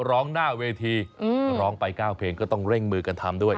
ร้องหน้าเวทีร้องไป๙เพลงก็ต้องเร่งมือกันทำด้วย